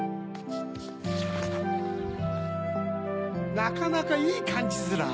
なかなかいいかんじづら。